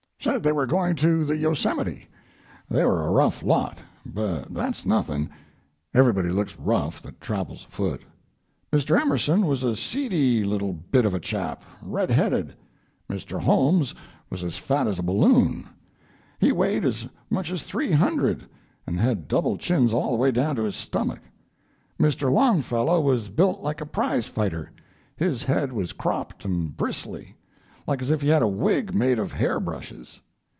Said they were going to the Yosemite. They were a rough lot, but that's nothing; everybody looks rough that travels afoot. Mr. Emerson was a seedy little bit of a chap, red headed. Mr. Holmes was as fat as a balloon; he weighed as much as three hundred, and had double chins all the way down to his stomach. Mr. Longfellow was built like a prizefighter. His head was cropped and bristly, like as if he had a wig made of hair brushes.